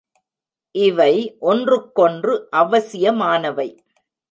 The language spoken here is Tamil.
இவை ஒன்றுக் கொன்று அவசியமானவை.